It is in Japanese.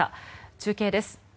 中継です。